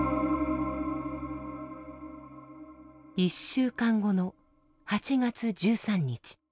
１週間後の８月１３日。